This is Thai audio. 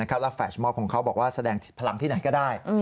แล้วแฟชม็อกของเขาบอกว่าแสดงพลังที่ไหนก็ได้